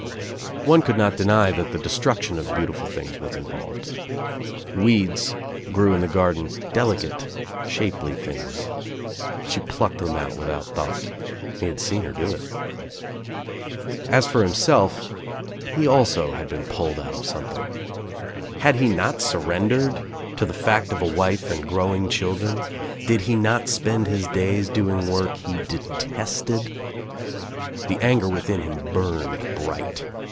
One could not deny that the destruction of beauti ful things was involved. Weeds grew in the garden, ■^[ delicate shapely things. She plucked them out witl^ out thought. He had seen her do it. As for himself, he also had been pulled out o£ something. Had he not surrendered to the fact o I OUT OF NOWHERE INTO NOTHING I13 wife and growing children? Did he not spend hU days doing work he detested? The anger within him burned bright.